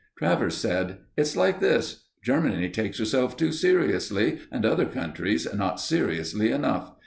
Travers said: "It's like this. Germany takes herself too seriously and other countries not seriously enough.